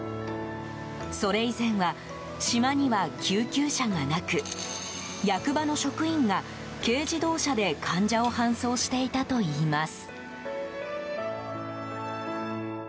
それ以前は、島には救急車がなく役場の職員が軽自動車で患者を搬送していたといいます。